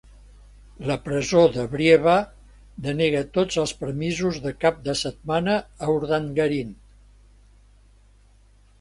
La presó de Brieva denega tots els permisos de cap de setmana a Urdangarín.